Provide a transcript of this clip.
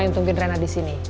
yang tungguin rena disini